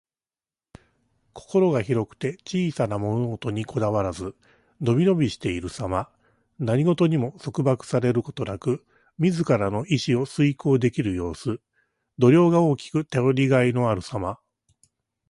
心が広くて小さな物事にこだわらず、のびのびしているさま。何事にも束縛されることなく、自らの意志を遂行できる様子。度量が大きく、頼りがいのあるさま。